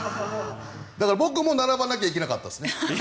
だから僕も並ばなきゃいけなかったですね。